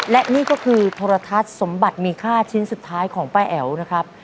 และนี่ก็คือโทรทัศน์สมบัติมีค่าชิ้นสุดท้ายของป้าแอ๋วนะครับ